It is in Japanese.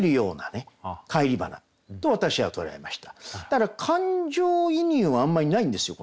だから感情移入はあんまりないんですよ